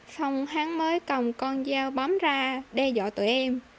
xong hắn mới cầm con dao bám ra đe dọa tụi em